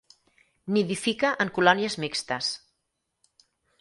Nidifica en colònies mixtes.